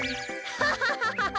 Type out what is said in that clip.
ハハハハハ！